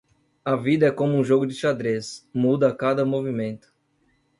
A vida é como um jogo de xadrez, muda a cada movimento.